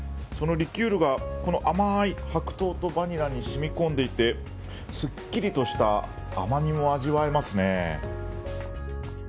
そのリキュールがこの甘い白桃とバニラに染み込んでいてすっきりとした甘味も味わえますね。